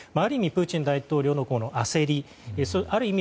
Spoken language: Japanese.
プーチン大統領の焦りある意味